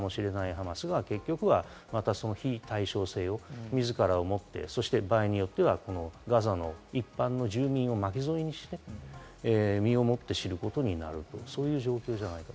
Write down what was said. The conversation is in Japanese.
あるいは非対称性を自らを持って、そして場合によってはガザの一般の住民を巻き添えにして、身をもって知ることになる、そういう状況じゃないかと。